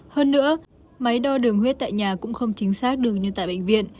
hơn nữa máy đo đường huyết tại nhà cũng không chính xác đường như tại bệnh viện